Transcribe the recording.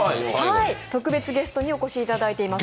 特別ゲストにお越しいただいています。